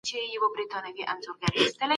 د واکسین کارت باید وساتل شي.